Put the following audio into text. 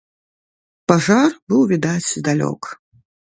Пажар быў відаць здалёк.